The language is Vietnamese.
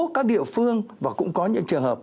các địa phương và cũng có những trường hợp